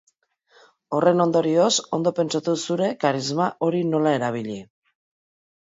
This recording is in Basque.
Horren ondorioz, ondo pentsatu zure karisma hori nola erabili.